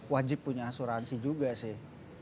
wajib punya asuransi juga sih